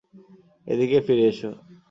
এদিকে ফিরে এসো!